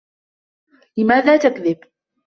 لِماذا تَكْذِبُ؟